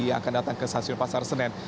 yang akan datang ke stasiun pasar senen